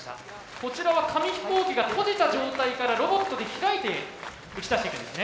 こちらは紙飛行機が閉じた状態からロボットで開いて打ち出していくんですね。